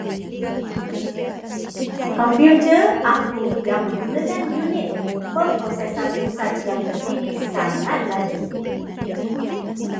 Komputer aku yang menggunakan unit pemprosesan pusat yang terkini sangat laju.